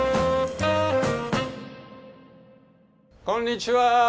こんにちは！